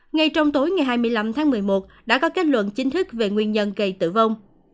ngay trong tối ngày hai mươi năm tháng một mươi một đã có kết luận chính thức về nguyên nhân gây tử vong